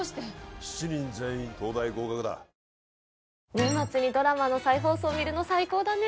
年末にドラマの再放送見るの最高だね